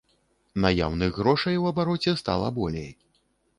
Наяўных грошай у абароце стала болей.